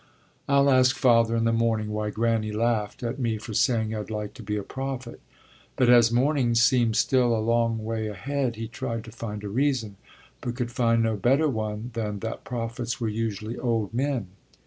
I'll ask Father in the morning why Granny laughed at me for saying I'd like to be a prophet. But as morning seemed still a long way ahead he tried to find a reason, but could find no better one than that prophets were usually old men.